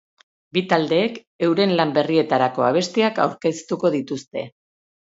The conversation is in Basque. Bi taldeek euren lan berrietako abestiak aurkeztuko dituzte.